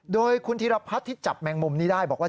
โดยคุณธีรพัฒน์ที่จับแมงมุมนี้ได้บอกว่า